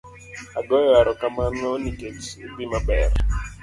agoyo aromakano nikech idhi maber